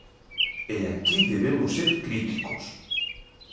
E aquí debemos ser críticos.